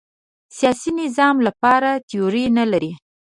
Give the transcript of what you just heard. سیاسي نظام لپاره تیوري نه لري